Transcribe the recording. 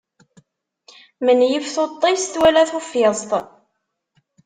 Menyif tuṭṭist wala tuffiẓt.